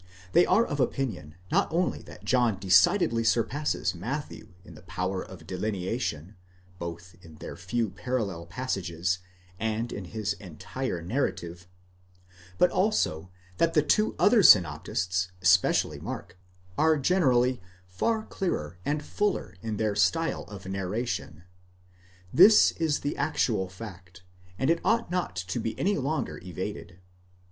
They are of opinion, not only that John decidedly surpasses Matthew in the power of delineation, both in their few parallel passages and in his entire narrative, but also that the two other synoptists, especially Mark, are generally far clearer and fuller in their style of narration.* This.is the actual fact, and it ought not to be any longer evaded.